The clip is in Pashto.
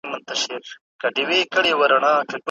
د لويي جرګې په اړه پوهاوی څنګه خپریږي؟